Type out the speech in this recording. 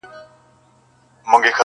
• څوټپې نمکیني څو غزل خواږه خواږه لرم,